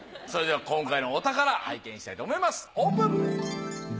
それでは今回のお宝拝見したいと思いますオープン。